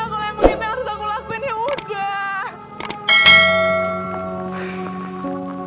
kalo emang kita harus ngelakuin ya udah